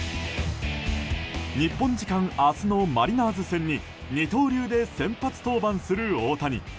日本時間明日のマリナーズ戦に二刀流で先発登板する大谷。